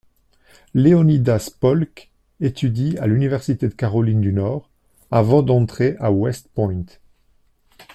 Leonidas Polk étudie à l'université de Caroline du Nord, avant d'entrer à West Point.